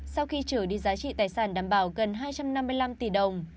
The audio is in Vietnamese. sau khi trở đi giá trị tài sản đảm bảo gần hai trăm năm mươi năm tỷ đồng